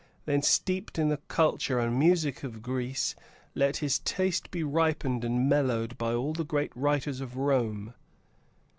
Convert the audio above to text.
Then, steeped in the culture and music of Greece, let his taste Be ripened and mellowed by all the great writers of Rome.